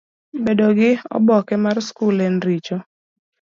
Bedo gi oboke mar skul en richo?